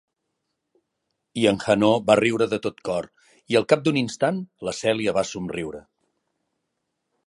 I en Hanaud va riure de tot cor i, al cap d'un instant, la Cèlia va somriure.